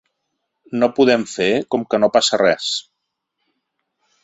No podem fer com que no passa res.